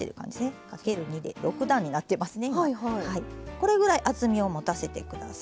これぐらい厚みをもたせて下さい。